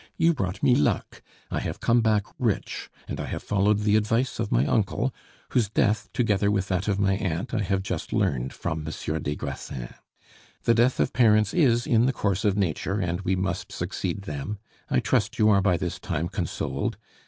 You brought me luck; I have come back rich, and I have followed the advice of my uncle, whose death, together with that of my aunt, I have just learned from Monsieur des Grassins. The death of parents is in the course of nature, and we must succeed them. I trust you are by this time consoled.